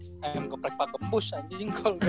gue nggak sampai makin kepek pak kepus anjing kalo udah